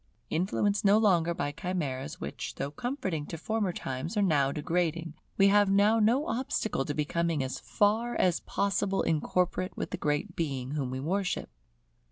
Influenced no longer by chimeras which though comforting to former times are now degrading, we have now no obstacle to becoming as far as possible incorporate with the Great Being whom we worship.